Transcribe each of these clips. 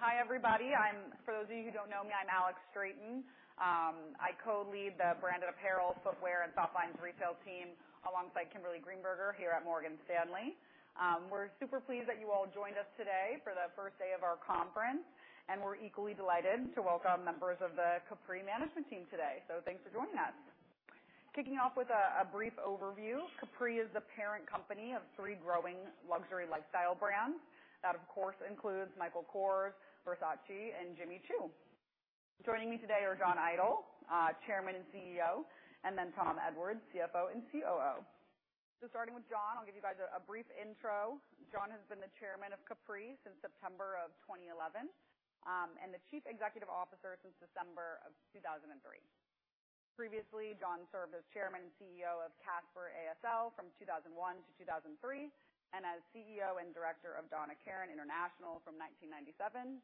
Hi everybody. For those of you who don't know me, I'm Alex Straton. I co-lead the branded apparel, footwear, and softlines retail team alongside Kimberly Greenberger here at Morgan Stanley. We're super pleased that you all joined us today for the first day of our conference, and we're equally delighted to welcome members of the Capri management team today. Thanks for joining us. Kicking off with a brief overview. Capri is the parent company of three growing luxury lifestyle brands. That, of course, includes Michael Kors, Versace, and Jimmy Choo. Joining me today are John Idol, Chairman and CEO, Tom Edwards, CFO and COO. Starting with John, I'll give you guys a brief intro. John has been the Chairman of Capri since September of 2011, and the Chief Executive Officer since December of 2003. Previously, John served as Chairman and CEO of Kasper A.S.L. from 2001-2003, and as CEO and Director of Donna Karan International from 1997-2001.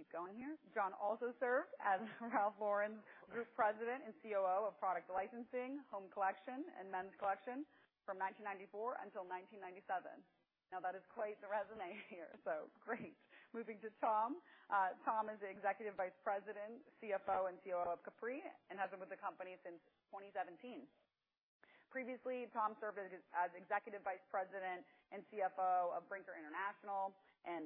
Keep going here. John also served as Ralph Lauren's Group President and COO of product licensing, home collection, and men's collection from 1994 until 1997. That is quite the resume here, so great. Moving to Tom. Tom is the Executive Vice President, CFO, and COO of Capri, and has been with the company since 2017. Previously, Tom served as Executive Vice President and CFO of Brinker International.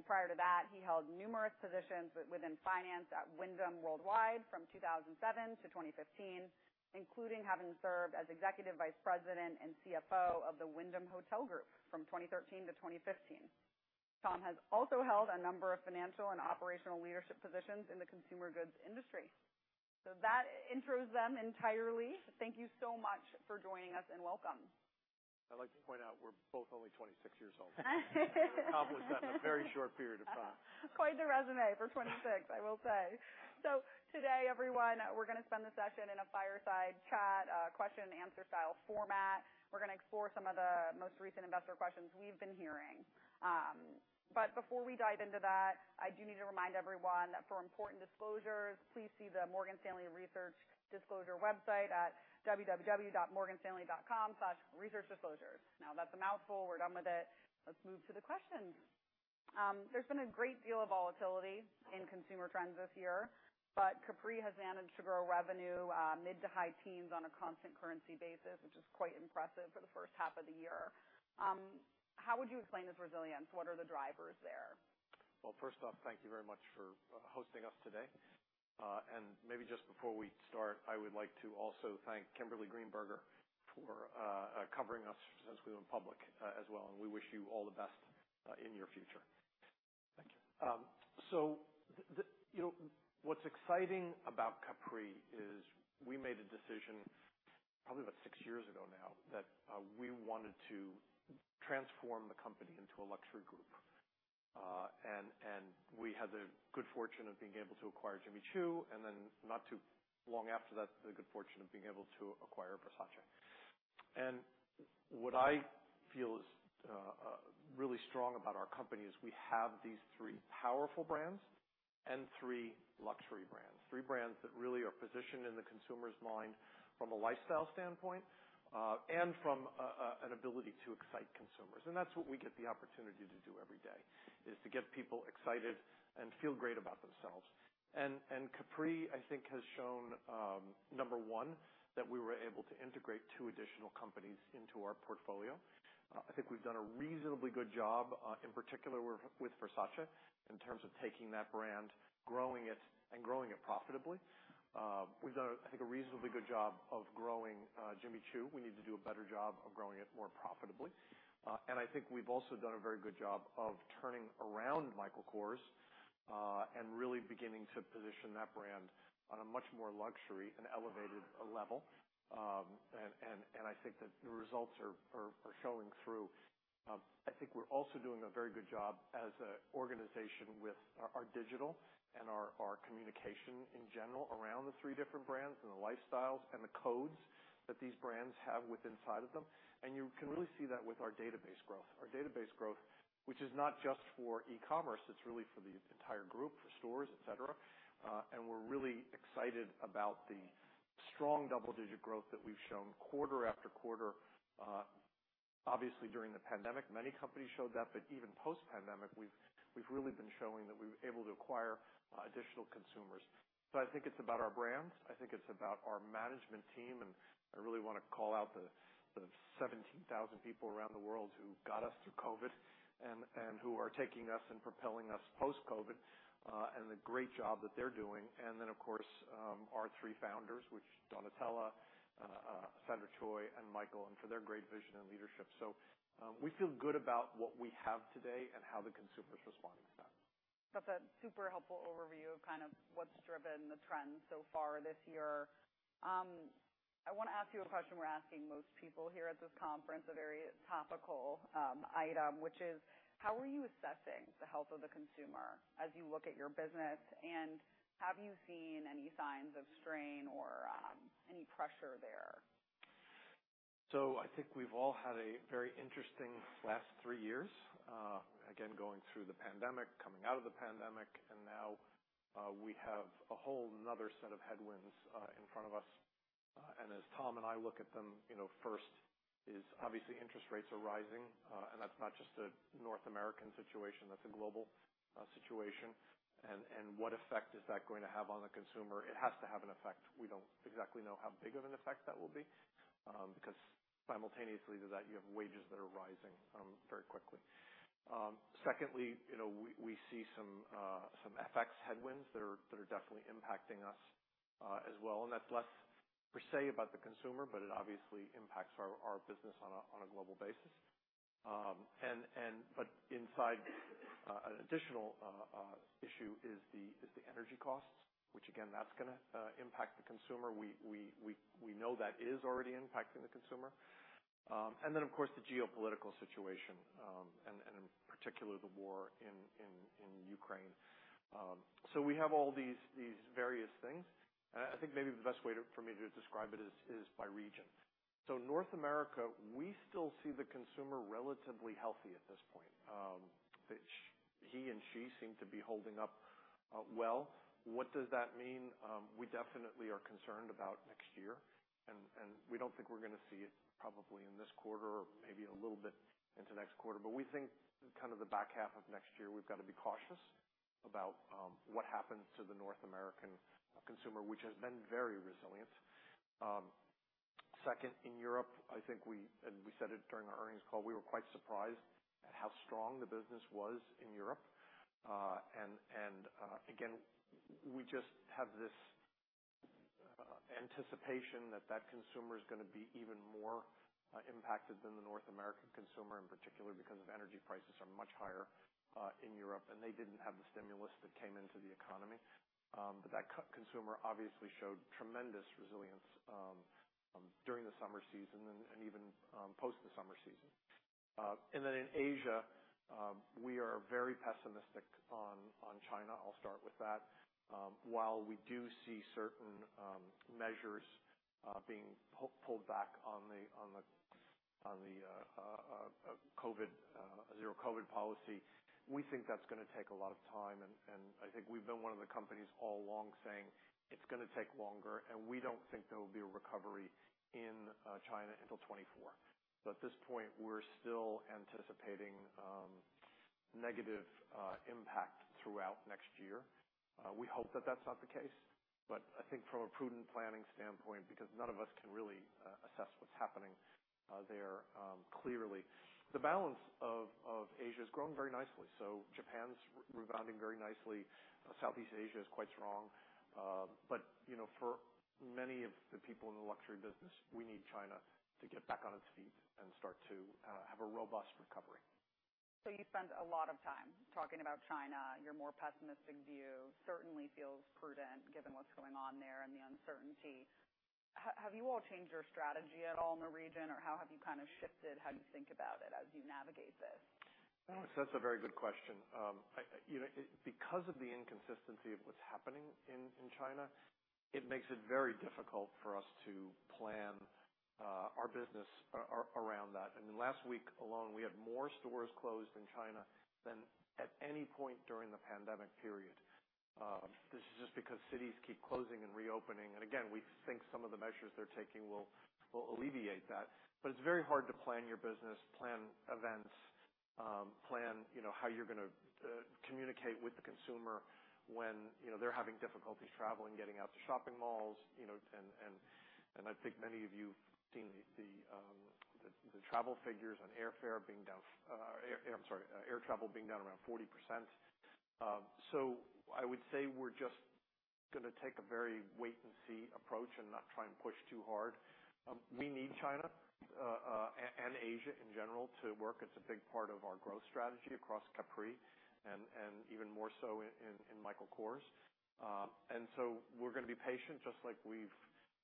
Prior to that, he held numerous positions within finance at Wyndham Worldwide from 2007-2015, including having served as Executive Vice President and CFO of the Wyndham Hotel Group from 2013-2015. Tom has also held a number of financial and operational leadership positions in the consumer goods industry. That intros them entirely. Thank you so much for joining us, and welcome. I'd like to point out we're both only 26 years old. We've accomplished that in a very short period of time. Quite the resume for 26, I will say. Today, everyone, we're gonna spend the session in a fireside chat, question and answer style format. We're gonna explore some of the most recent investor questions we've been hearing. Before we dive into that, I do need to remind everyone that for important disclosures, please see the Morgan Stanley Research Disclosure website at www.morganstanley.com/researchdisclosures. That's a mouthful. We're done with it. Let's move to the questions. There's been a great deal of volatility in consumer trends this year, Capri has managed to grow revenue, mid to high teens on a constant currency basis, which is quite impressive for the first half of the year. How would you explain this resilience? What are the drivers there? Well, first off, thank you very much for hosting us today. Maybe just before we start, I would like to also thank Kimberly Greenberger for covering us since we went public as well, and we wish you all the best in your future. Thank you. You know, what's exciting about Capri is we made a decision probably about six years ago now that we wanted to transform the company into a luxury group. We had the good fortune of being able to acquire Jimmy Choo, and then not too long after that, the good fortune of being able to acquire Versace. What I feel is really strong about our company is we have these three powerful brands and three luxury brands. Three brands that really are positioned in the consumer's mind from a lifestyle standpoint, and from an ability to excite consumers. That's what we get the opportunity to do every day, is to get people excited and feel great about themselves. Capri, I think, has shown, number one, that we were able to integrate two additional companies into our portfolio. I think we've done a reasonably good job, in particular with Versace, in terms of taking that brand, growing it, and growing it profitably. We've done a, I think, a reasonably good job of growing Jimmy Choo. We need to do a better job of growing it more profitably. I think we've also done a very good job of turning around Michael Kors, and really beginning to position that brand on a much more luxury and elevated level. And I think that the results are showing through. I think we're also doing a very good job as an organization with our digital and our communication in general around the three different brands and the lifestyles and the codes that these brands have with inside of them. You can really see that with our database growth. Our database growth, which is not just for e-commerce, it's really for the entire group, for stores, etc. We're really excited about the strong double-digit growth that we've shown quarter after quarter. Obviously, during the pandemic, many companies showed that, but even post-pandemic, we've really been showing that we've been able to acquire additional consumers. I think it's about our brands. I think it's about our management team, and I really wanna call out the 17,000 people around the world who got us through COVID and who are taking us and propelling us post-COVID, and the great job that they're doing. Of course, our three founders, which Donatella, Sandra Choi, and Michael, for their great vision and leadership. We feel good about what we have today and how the consumer's responding to that. That's a super helpful overview of kind of what's driven the trend so far this year. I wanna ask you a question we're asking most people here at this conference, a very topical item, which is: How are you assessing the health of the consumer as you look at your business, and have you seen any signs of strain or any pressure there? I think we've all had a very interesting last three years, again, going through the pandemic, coming out of the pandemic, and now, we have a whole nother set of headwinds in front of us. As Tom and I look at them, you know, first is obviously interest rates are rising, and that's not just a North American situation, that's a global situation. What effect is that going to have on the consumer? It has to have an effect. We don't exactly know how big of an effect that will be, because simultaneously to that, you have wages that are rising very quickly. Secondly, you know, we see some FX headwinds that are definitely impacting us as well, and that's less per se about the consumer, but it obviously impacts our business on a global basis. Inside an additional issue is the energy costs, which again, that's gonna impact the consumer. We know that is already impacting the consumer. Of course the geopolitical situation, and in particular the war in Ukraine. We have all these various things, and I think maybe the best way for me to describe it is by region. North America, we still see the consumer relatively healthy at this point. Which he and she seem to be holding up well. What does that mean? We definitely are concerned about next year, and we don't think we're gonna see it probably in this quarter or maybe a little bit into next quarter. We think kind of the back half of next year, we've gotta be cautious about what happens to the North American consumer, which has been very resilient. Second, in Europe, I think we... And we said it during the earnings call, we were quite surprised at how strong the business was in Europe. Again, we just have this anticipation that that consumer is gonna be even more impacted than the North American consumer in particular because of energy prices are much higher in Europe, and they didn't have the stimulus that came into the economy. That consumer obviously showed tremendous resilience during the summer season and even post the summer season. Then in Asia, we are very pessimistic on China. I'll start with that. While we do see certain measures being pulled back on the COVID zero-COVID policy, we think that's gonna take a lot of time. I think we've been one of the companies all along saying it's gonna take longer, and we don't think there will be a recovery in China until 2024. At this point, we're still anticipating negative impact throughout next year. We hope that that's not the case, but I think from a prudent planning standpoint, because none of us can really assess what's happening there clearly. The balance of Asia has grown very nicely. Japan's reviving very nicely. Southeast Asia is quite strong. You know, for many of the people in the luxury business, we need China to get back on its feet and start to have a robust recovery. You spend a lot of time talking about China. Your more pessimistic view certainly feels prudent given what's going on there and the uncertainty. Have you all changed your strategy at all in the region, or how have you kind of shifted how you think about it as you navigate this? That's a very good question. You know, because of the inconsistency of what's happening in China, it makes it very difficult for us to plan our business around that. In the last week alone, we had more stores closed in China than at any point during the pandemic period. This is just because cities keep closing and reopening. Again, we think some of the measures they're taking will alleviate that. It's very hard to plan your business, plan events, plan, you know, how you're gonna communicate with the consumer when, you know, they're having difficulties traveling, getting out to shopping malls, you know. I think many of you've seen the travel figures on airfare being down... I'm sorry, air travel being down around 40%. I would say we're just gonna take a very wait-and-see approach and not try and push too hard. We need China and Asia in general to work. It's a big part of our growth strategy across Capri and even more so in Michael Kors. We're gonna be patient just like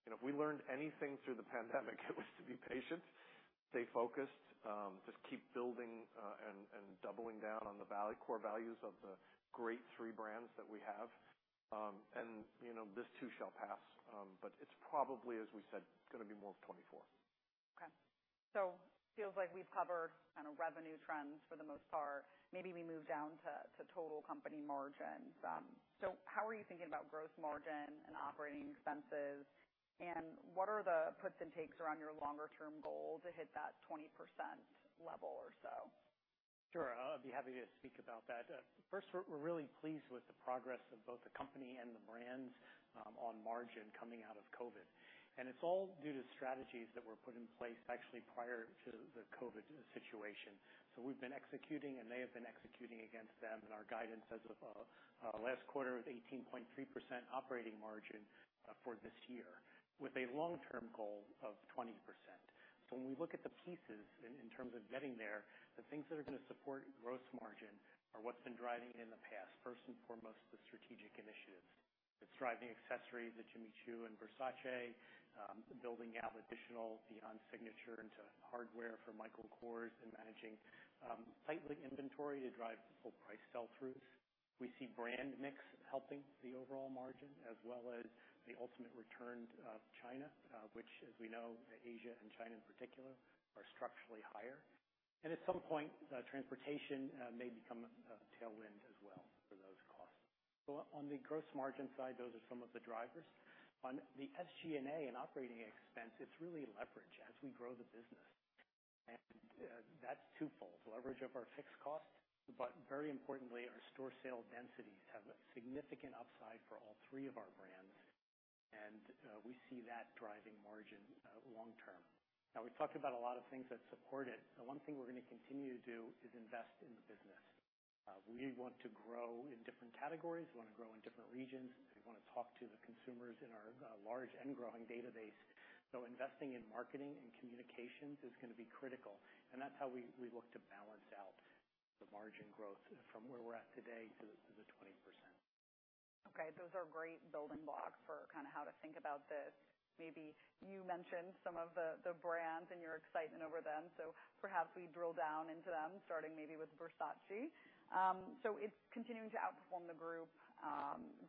You know, if we learned anything through the pandemic, it was to be patient, stay focused, just keep building and doubling down on the core values of the great three brands that we have. You know, this too shall pass. It's probably, as we said, gonna be more of 24. Okay. Feels like we've covered kind of revenue trends for the most part. Maybe we move down to total company margins. How are you thinking about gross margin and operating expenses, and what are the puts and takes around your longer term goal to hit that 20% level or so? Sure. I'll be happy to speak about that. First we're really pleased with the progress of both the company and the brands on margin coming out of COVID. It's all due to strategies that were put in place actually prior to the COVID situation. We've been executing and they have been executing against them, and our guidance as of last quarter of 18.3% operating margin for this year with a long-term goal of 20%. When we look at the pieces in terms of getting there, the things that are gonna support gross margin are what's been driving it in the past. First and foremost, the strategic initiatives. It's driving accessories at Jimmy Choo and Versace, building out additional beyond signature into hardware for Michael Kors and managing tightly inventory to drive full price sell-throughs. We see brand mix helping the overall margin, as well as the ultimate return of China, which as we know, Asia and China in particular are structurally higher. At some point, transportation may become a tailwind as well for those costs. On the gross margin side, those are some of the drivers. On the SG&A and operating expense, it's really leverage as we grow the business. That's twofold. Leverage of our fixed costs, but very importantly, our store sale densities have a significant upside for all three of our brands. We see that driving margin long term. We've talked about a lot of things that support it. The one thing we're gonna continue to do is invest in the business. We want to grow in different categories, we wanna grow in different regions, we wanna talk to the consumers in our large and growing database. Investing in marketing and communications is gonna be critical. That's how we look to balance out the margin growth from where we're at today to the 20%. Okay. Those are great building blocks for kinda how to think about this. Maybe you mentioned some of the brands and your excitement over them, perhaps we drill down into them, starting maybe with Versace. It's continuing to outperform the group,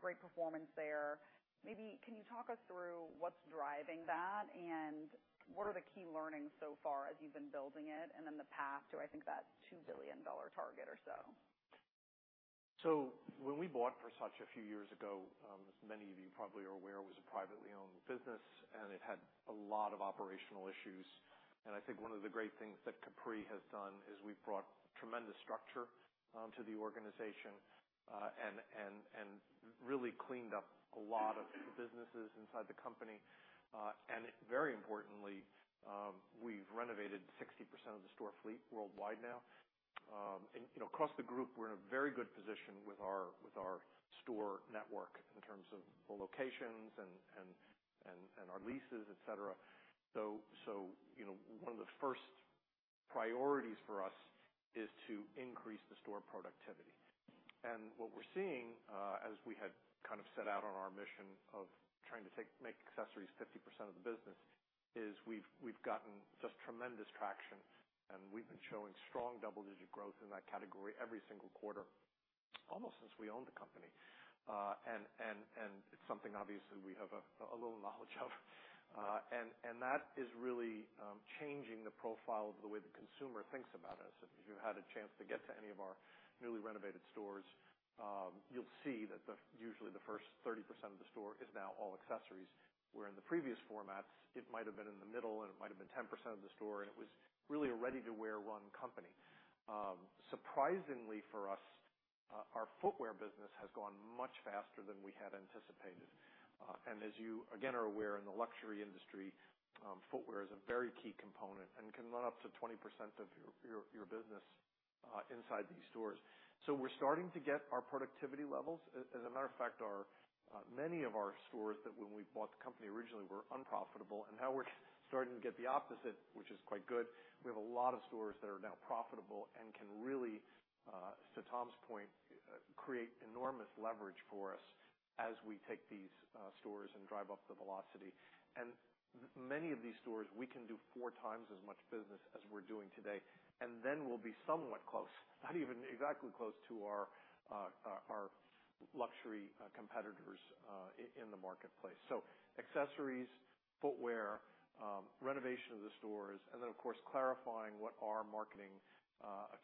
great performance there. Maybe can you talk us through what's driving that, and what are the key learnings so far as you've been building it, and then the path to, I think, that $2 billion target or so? When we bought Versace a few years ago, as many of you probably are aware, it was a privately owned business, and it had a lot of operational issues. I think one of the great things that Capri has done is we've brought tremendous structure to the organization and really cleaned up a lot of businesses inside the company. Very importantly, we've renovated 60% of the store fleet worldwide now. You know, across the group, we're in a very good position with our, with our store network in terms of the locations and our leases, et cetera. You know, one of the first priorities for us is to increase the store productivity. What we're seeing, as we had kind of set out on our mission of trying to make accessories 50% of the business is we've gotten just tremendous traction, and we've been showing strong double-digit growth in that category every single quarter, almost since we owned the company. It's something obviously we have a little knowledge of. And that is really changing the profile of the way the consumer thinks about us. If you had a chance to get to any of our newly renovated stores, you'll see that usually the first 30% of the store is now all accessories, where in the previous formats it might have been in the middle, and it might have been 10% of the store, and it was really a ready-to-wear run company. Surprisingly for us, our footwear business has gone much faster than we had anticipated. And as you again are aware, in the luxury industry, footwear is a very key component and can run up to 20% of your, your business inside these stores. We're starting to get our productivity levels. As a matter of fact, our many of our stores that when we bought the company originally were unprofitable, and now we're starting to get the opposite, which is quite good. We have a lot of stores that are now profitable and can really, to Tom's point, create enormous leverage for us as we take these stores and drive up the velocity. Many of these stores, we can do 4x as much business as we're doing today, and then we'll be somewhat close, not even exactly close to our luxury competitors in the marketplace. Accessories, footwear, renovation of the stores, and then of course clarifying what our marketing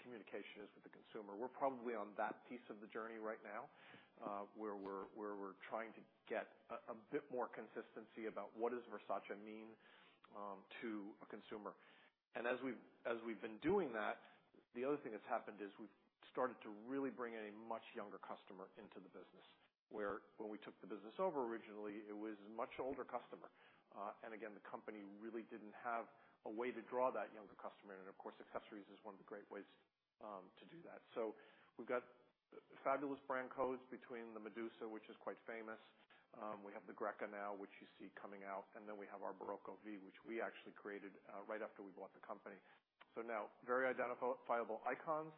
communication is with the consumer. We're probably on that piece of the journey right now, where we're trying to get a bit more consistency about what does Versace mean to a consumer. As we've been doing that, the other thing that's happened is we've started to really bring in a much younger customer into the business, where when we took the business over originally, it was a much older customer. Again, the company really didn't have a way to draw that younger customer, and of course, accessories is one of the great ways to do that. We've got fabulous brand codes between the Medusa, which is quite famous. We have the Greca now, which you see coming out, and then we have our Barocco V, which we actually created right after we bought the company. Now very identifiable icons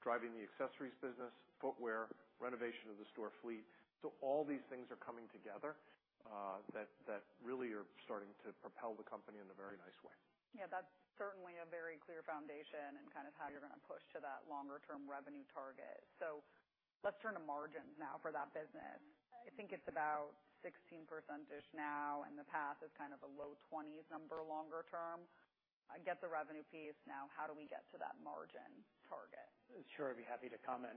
driving the accessories business, footwear, renovation of the store fleet. All these things are coming together that really are starting to propel the company in a very nice way. That's certainly a very clear foundation in kind of how you're gonna push to that longer term revenue target. Let's turn to margin now for that business. I think it's about 16%-ish now, and the path is kind of a low 20s % number longer term. I get the revenue piece. How do we get to that margin target? Sure. I'd be happy to comment.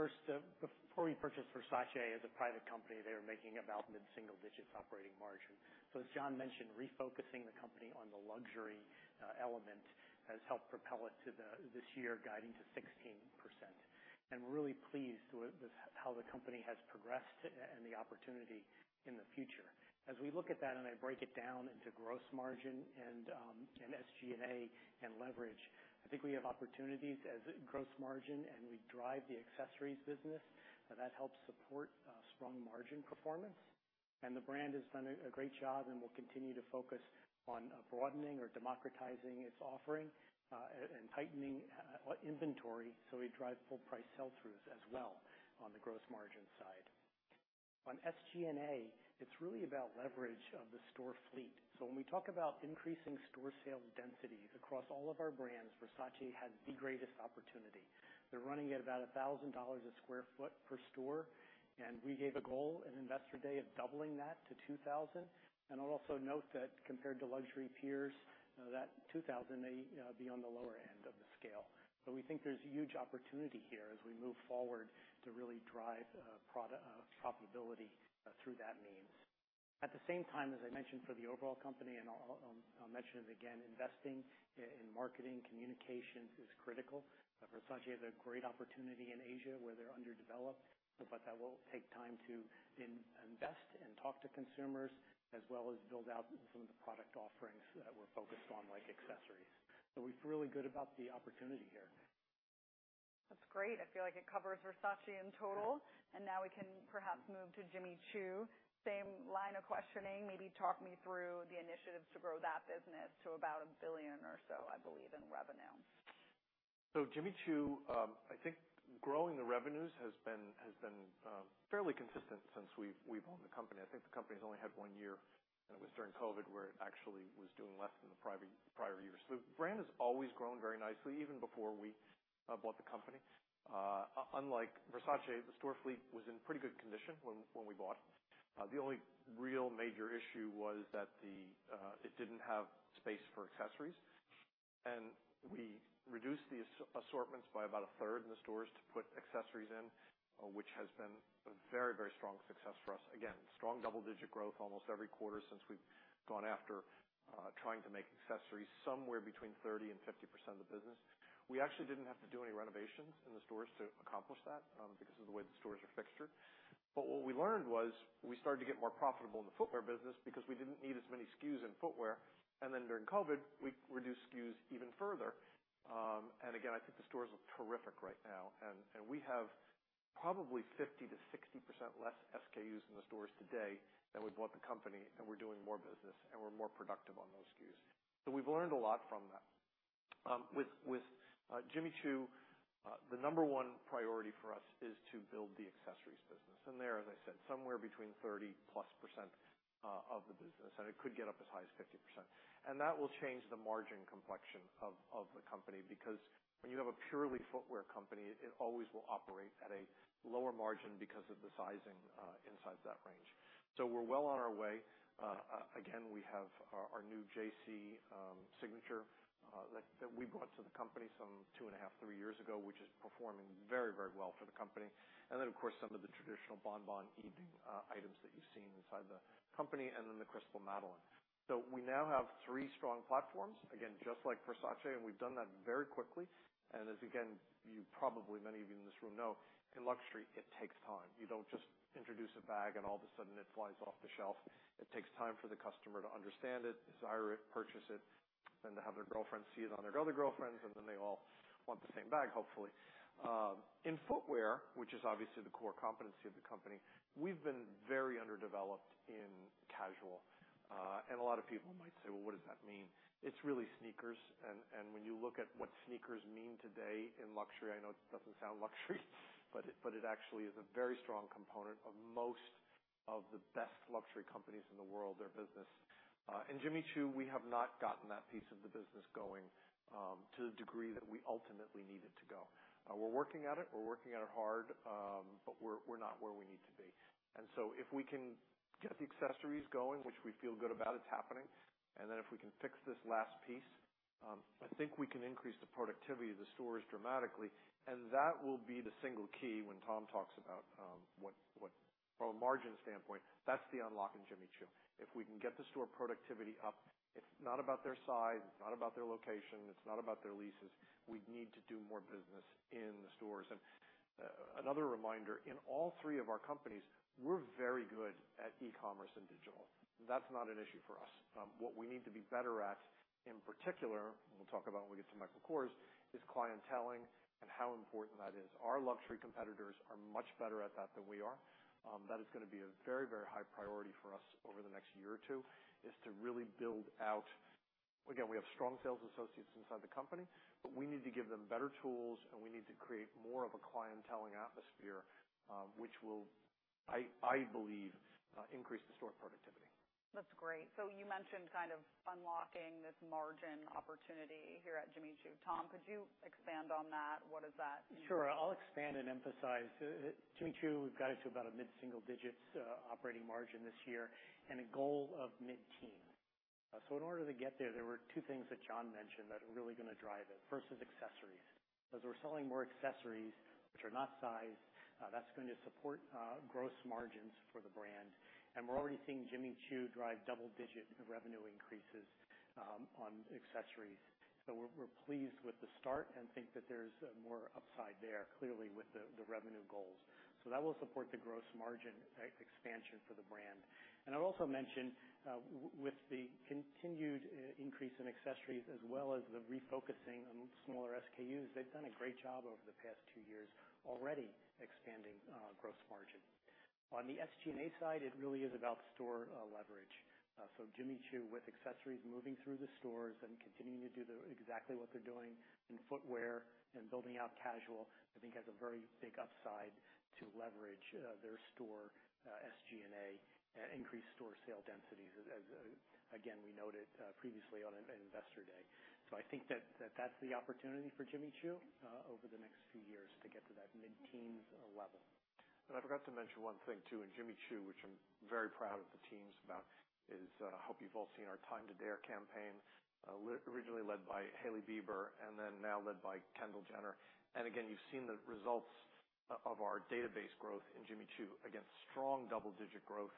First, before we purchased Versace as a private company, they were making about mid-single digits operating margin. As John mentioned, refocusing the company on the luxury element has helped propel it this year guiding to 16%. We're really pleased with how the company has progressed and the opportunity in the future. As we look at that, I break it down into gross margin and SG&A and leverage. I think we have opportunities as gross margin, we drive the accessories business. That helps support strong margin performance. The brand has done a great job and will continue to focus on broadening or democratizing its offering and tightening inventory, we drive full price sell-throughs as well on the gross margin side. On SG&A, it's really about leverage of the store fleet. When we talk about increasing store sales density across all of our brands, Versace has the greatest opportunity. They're running at about $1,000 a sq ft per store, we gave a goal at Investor Day of doubling that to 2,000. I'll also note that compared to luxury peers, that 2,000 may be on the lower end of the scale. We think there's huge opportunity here as we move forward to really drive profitability through that means. At the same time, as I mentioned for the overall company, and I'll mention it again, investing in marketing communication is critical. Versace has a great opportunity in Asia where they're underdeveloped, but that will take time to invest and talk to consumers as well as build out some of the product offerings that we're focused on, like accessories. We feel really good about the opportunity here. That's great. I feel like it covers Versace in total, and now we can perhaps move to Jimmy Choo. Same line of questioning. Maybe talk me through the initiatives to grow that business to about $1 billion or so, I believe, in revenue. Jimmy Choo, I think growing the revenues has been fairly consistent since we've owned the company. I think the company's only had one year, and it was during COVID, where it actually was doing less than the prior years. The brand has always grown very nicely, even before we bought the company. Unlike Versace, the store fleet was in pretty good condition when we bought it. The only real major issue was that it didn't have space for accessories. We reduced the assortments by about a third in the stores to put accessories in, which has been a very strong success for us. Again, strong double digit growth almost every quarter since we've gone after trying to make accessories somewhere between 30% and 50% of the business. We actually didn't have to do any renovations in the stores to accomplish that, because of the way the stores are fixtured. What we learned was we started to get more profitable in the footwear business because we didn't need as many SKUs in footwear. During COVID, we reduced SKUs even further. Again, I think the stores look terrific right now. We have probably 50%-60% less SKUs in the stores today than when we bought the company, and we're doing more business, and we're more productive on those SKUs. We've learned a lot from that. With Jimmy Choo, the number one priority for us is to build the accessories business. They're, as I said, somewhere between 30%+ of the business, and it could get up as high as 50%. That will change the margin complexion of the company because when you have a purely footwear company, it always will operate at a lower margin because of the sizing inside that range. We're well on our way. Again, we have our new JC signature that we brought to the company some 2.5, three years ago, which is performing very, very well for the company. Then, of course, some of the traditional Bon Bon evening items that you've seen inside the company, and then the Crystal Madeleine. We now have three strong platforms, again, just like Versace, and we've done that very quickly. As again, you probably many of you in this room know, in luxury, it takes time. You don't just introduce a bag and all of a sudden it flies off the shelf. It takes time for the customer to understand it, desire it, purchase it, then to have their girlfriend see it on their other girlfriends, and then they all want the same bag, hopefully. In footwear, which is obviously the core competency of the company, we've been very underdeveloped in casual. A lot of people might say, "Well, what does that mean?" It's really sneakers. When you look at what sneakers mean today in luxury, I know it doesn't sound luxury, but it actually is a very strong component of most of the best luxury companies in the world, their business. In Jimmy Choo, we have not gotten that piece of the business going to the degree that we ultimately need it to go. We're working at it, we're working at it hard, but we're not where we need to be. If we can get the accessories going, which we feel good about, it's happening. If we can fix this last piece, I think we can increase the productivity of the stores dramatically. That will be the single key when Tom talks about, from a margin standpoint, that's the unlock in Jimmy Choo. If we can get the store productivity up, it's not about their size, it's not about their location, it's not about their leases. We need to do more business in the stores. Another reminder, in all three of our companies, we're very good at e-commerce and digital. That's not an issue for us. What we need to be better at, in particular, we'll talk about when we get to Michael Kors, is clienteling and how important that is. Our luxury competitors are much better at that than we are. That is gonna be a very, very high priority for us over the next year or two, is to really build out... Again, we have strong sales associates inside the company, but we need to give them better tools, and we need to create more of a clienteling atmosphere, which will, I believe, increase the store productivity. That's great. You mentioned kind of unlocking this margin opportunity here at Jimmy Choo. Tom, could you expand on that? What does that mean? Sure. I'll expand and emphasize. Jimmy Choo, we've got it to about a mid-single digits operating margin this year and a goal of mid-teen. In order to get there were two things that John mentioned that are really gonna drive it. First is accessories. As we're selling more accessories, which are not sized, that's going to support gross margins for the brand. We're already seeing Jimmy Choo drive double-digit revenue increases on accessories. We're pleased with the start and think that there's more upside there, clearly with the revenue goals. That will support the gross margin e-expansion for the brand. I'd also mention, with the continued increase in accessories as well as the refocusing on smaller SKUs, they've done a great job over the past two years already expanding gross margin. On the SG&A side, it really is about store leverage. Jimmy Choo with accessories moving through the stores and continuing to do exactly what they're doing in footwear and building out casual, I think has a very big upside to leverage their store SG&A and increase store sale density as again, we noted previously on Investor Day. I think that's the opportunity for Jimmy Choo over the next few years to get to that mid-teens level. I forgot to mention one thing, too, in Jimmy Choo, which I'm very proud of the teams about is, I hope you've all seen our Time to Dare campaign, originally led by Hailey Bieber and then now led by Kendall Jenner. Again, you've seen the results of our database growth in Jimmy Choo. Again, strong double-digit growth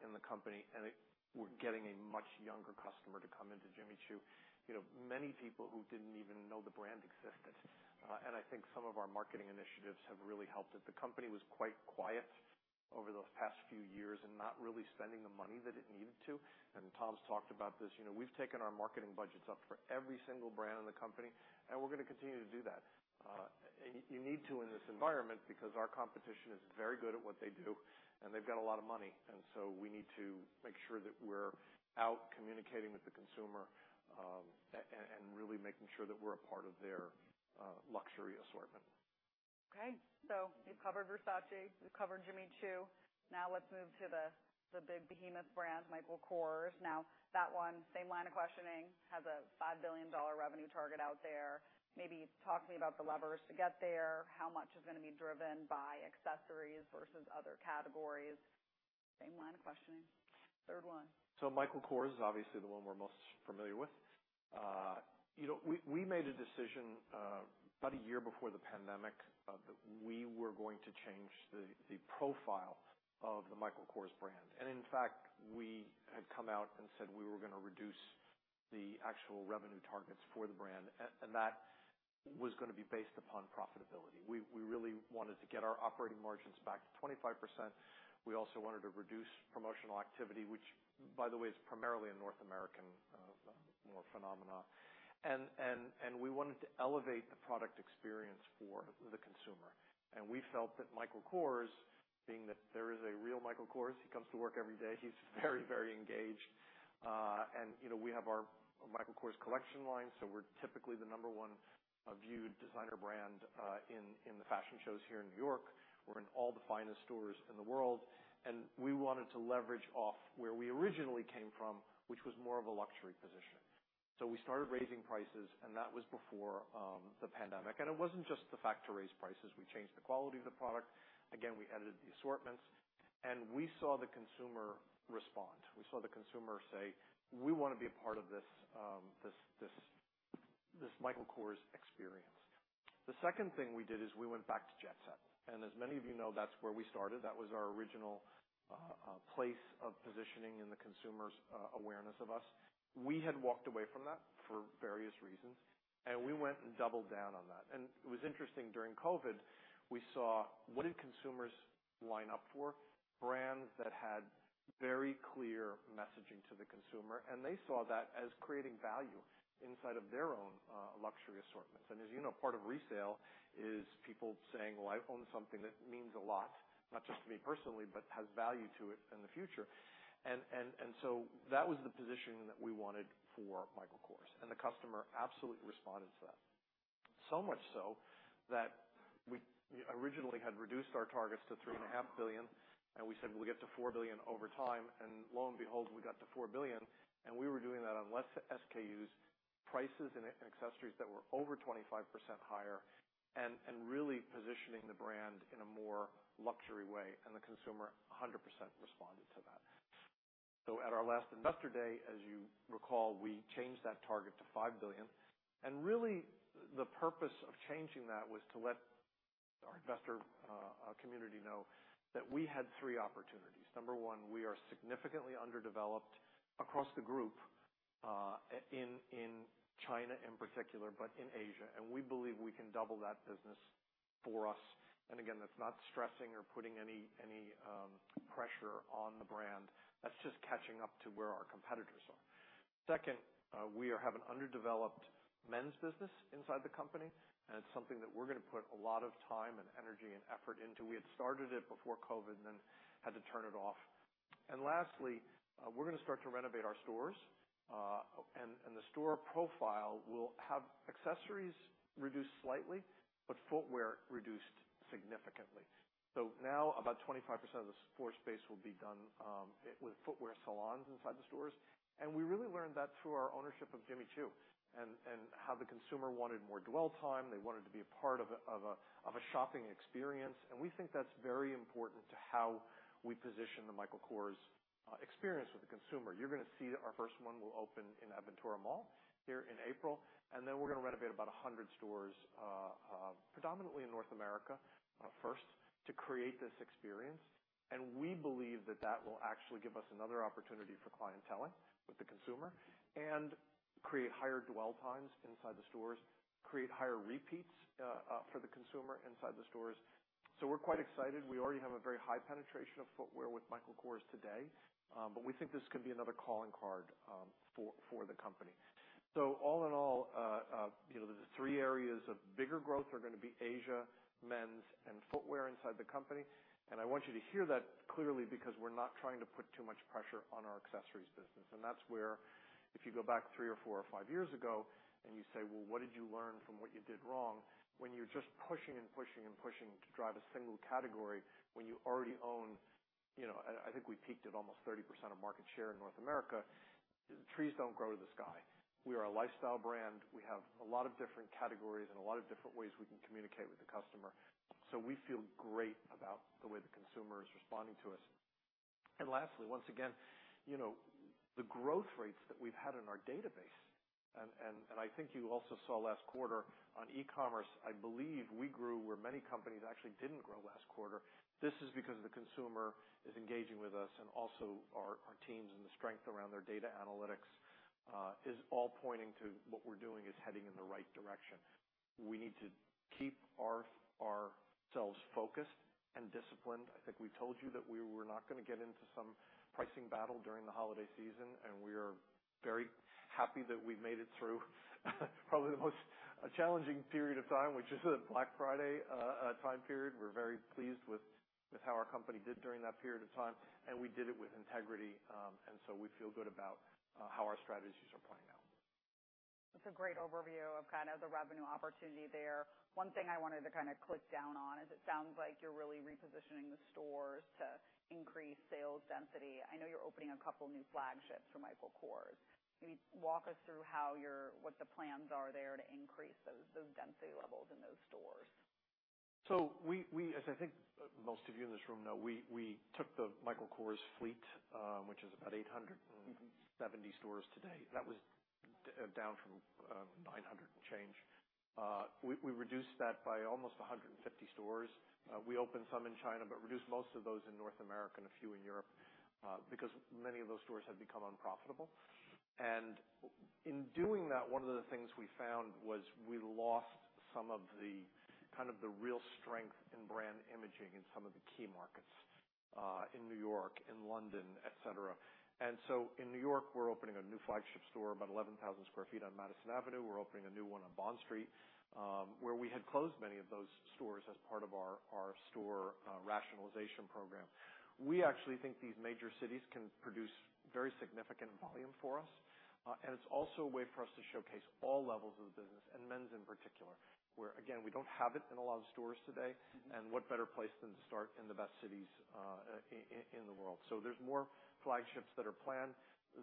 in the company, we're getting a much younger customer to come into Jimmy Choo. You know, many people who didn't even know the brand existed. I think some of our marketing initiatives have really helped it. The company was quite quiet over the past few years and not really spending the money that it needed to. Tom's talked about this. You know, we've taken our marketing budgets up for every single brand in the company, and we're gonna continue to do that. You need to in this environment because our competition is very good at what they do, and they've got a lot of money. We need to make sure that we're out communicating with the consumer, and really making sure that we're a part of their luxury assortment. You've covered Versace, you've covered Jimmy Choo. Let's move to the big behemoth brand, Michael Kors. That one, same line of questioning, has a $5 billion revenue target out there. Maybe talk to me about the levers to get there, how much is gonna be driven by accessories versus other categories. Same line of questioning. Third one. Michael Kors is obviously the one we're most familiar with. You know, we made a decision about a year before the pandemic, we were going to change the profile of the Michael Kors brand. In fact, we had come out and said we were gonna reduce the actual revenue targets for the brand, and that was gonna be based upon profitability. We really wanted to get our operating margins back to 25%. We also wanted to reduce promotional activity, which by the way, is primarily a North American, more phenomena. We wanted to elevate the product experience for the consumer. We felt that Michael Kors, being that there is a real Michael Kors, he comes to work every day. He's very engaged. you know, we have our Michael Kors Collection line. We're typically the number one viewed designer brand in the fashion shows here in New York. We're in all the finest stores in the world. We wanted to leverage off where we originally came from, which was more of a luxury position. We started raising prices, and that was before the pandemic. It wasn't just the fact to raise prices. We changed the quality of the product. Again, we edited the assortments, and we saw the consumer respond. We saw the consumer say, "We wanna be a part of this Michael Kors experience." The second thing we did is we went back to Jet Set, and as many of you know, that's where we started. That was our original place of positioning in the consumer's awareness of us. We had walked away from that for various reasons. We went and doubled down on that. It was interesting, during COVID, we saw what did consumers line up for? Brands that had very clear messaging to the consumer, and they saw that as creating value inside of their own, luxury assortments. As you know, part of resale is people saying, "Well, I own something that means a lot, not just to me personally, but has value to it in the future." So that was the positioning that we wanted for Michael Kors. The customer absolutely responded to that. So much so that we originally had reduced our targets to three and a half billion, and we said we'll get to $4 billion over time. Lo and behold, we got to $4 billion, and we were doing that on less SKUs, prices, and accessories that were over 25% higher and really positioning the brand in a more luxury way, and the consumer 100% responded to that. At our last Investor Day, as you recall, we changed that target to $5 billion. Really, the purpose of changing that was to let our investor community know that we had three opportunities. Number one, we are significantly underdeveloped across the group in China in particular, but in Asia. We believe we can double that business for us. Again, that's not stressing or putting any pressure on the brand. That's just catching up to where our competitors are. Second, we have an underdeveloped men's business inside the company, and it's something that we're gonna put a lot of time and energy and effort into. We had started it before COVID and then had to turn it off. Lastly, we're gonna start to renovate our stores. The store profile will have accessories reduced slightly, but footwear reduced significantly. Now about 25% of the floor space will be done with footwear salons inside the stores. We really learned that through our ownership of Jimmy Choo and how the consumer wanted more dwell time. They wanted to be a part of a shopping experience. We think that's very important to how we position the Michael Kors experience with the consumer. You're gonna see that our first one will open in Aventura Mall here in April. Then we're gonna renovate about 100 stores, predominantly in North America, first to create this experience. We believe that that will actually give us another opportunity for Clienteling with the consumer and create higher dwell times inside the stores, create higher repeats for the consumer inside the stores. We're quite excited. We already have a very high penetration of footwear with Michael Kors today. We think this could be another calling card for the company. All in all, you know, the three areas of bigger growth are gonna be Asia, men's, and footwear inside the company. I want you to hear that clearly because we're not trying to put too much pressure on our accessories business. That's where if you go back three or four or five years ago and you say, "Well, what did you learn from what you did wrong?" When you're just pushing to drive a single category when you already own, you know, I think we peaked at almost 30% of market share in North America. Trees don't grow to the sky. We are a lifestyle brand. We have a lot of different categories and a lot of different ways we can communicate with the customer. We feel great about the way the consumer is responding to us. Lastly, once again, you know, the growth rates that we've had in our database, and I think you also saw last quarter on e-commerce, I believe we grew where many companies actually didn't grow last quarter. This is because the consumer is engaging with us and also our teams and the strength around their data analytics is all pointing to what we're doing is heading in the right direction. We need to keep ourselves focused and disciplined. I think we told you that we were not gonna get into some pricing battle during the holiday season. We are very happy that we've made it through probably the most challenging period of time, which is the Black Friday time period. We're very pleased with how our company did during that period of time, and we did it with integrity. We feel good about how our strategies are playing out. That's a great overview of kind of the revenue opportunity there. One thing I wanted to kinda click down on is it sounds like you're really repositioning the stores to increase sales density. I know you're opening a couple new flagships for Michael Kors. Can you walk us through how what the plans are there to increase those density levels in those stores? As I think most of you in this room know, we took the Michael Kors fleet, which is about 870 stores today. That was down from 900 and change. We reduced that by almost 150 stores. We opened some in China, but reduced most of those in North America and a few in Europe, because many of those stores had become unprofitable. In doing that, one of the things we found was we lost some of the, kind of the real strength in brand imaging in some of the key markets, in New York, in London, etc. In New York, we're opening a new flagship store about 11,000 sq ft on Madison Avenue. We're opening a new one on Bond Street, where we had closed many of those stores as part of our store rationalization program. We actually think these major cities can produce very significant volume for us, and it's also a way for us to showcase all levels of the business and men's in particular. Where again, we don't have it in a lot of stores today, and what better place than to start in the best cities in the world. There's more flagships that are planned.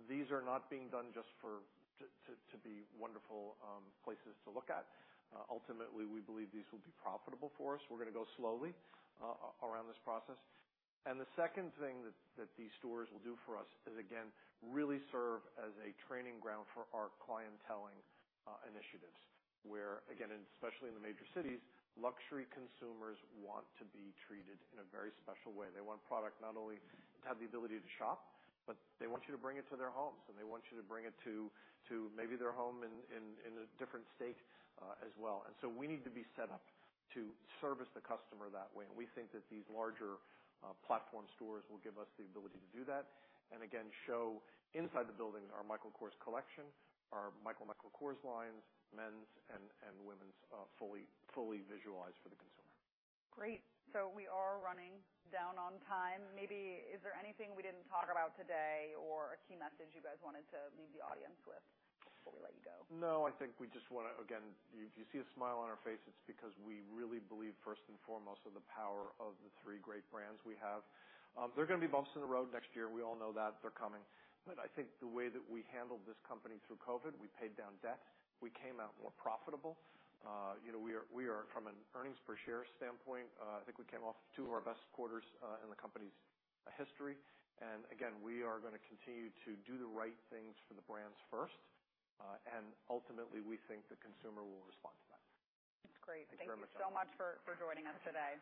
These are not being done just to be wonderful places to look at. Ultimately, we believe these will be profitable for us. We're gonna go slowly around this process. The second thing that these stores will do for us is, again, really serve as a training ground for our clienteling initiatives. Where, again, and especially in the major cities, luxury consumers want to be treated in a very special way. They want product not only to have the ability to shop, but they want you to bring it to their homes, and they want you to bring it to maybe their home in a different state as well. We need to be set up to service the customer that way. We think that these larger platform stores will give us the ability to do that, and again, show inside the buildings our Michael Kors Collection, our Michael Kors lines, men's and women's fully visualized for the consumer. Great. We are running down on time. Maybe is there anything we didn't talk about today or a key message you guys wanted to leave the audience with before we let you go? I think we just wanna, again, if you see a smile on our faces, it's because we really believe first and foremost in the power of the three great brands we have. There are gonna be bumps in the road next year. We all know that. They're coming. I think the way that we handled this company through COVID, we paid down debt, we came out more profitable. You know, we are from an earnings per share standpoint, I think we came off two of our best quarters in the company's history. Again, we are gonna continue to do the right things for the brands first. Ultimately, we think the consumer will respond to that. That's great. Thank you very much. Thank you so much for joining us today.